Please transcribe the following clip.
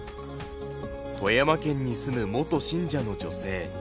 富山県に住む元信者の女性。